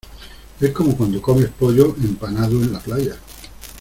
es como cuando comes pollo empanado en la playa.